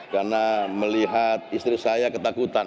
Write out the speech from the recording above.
karena melihat istri saya ketakutan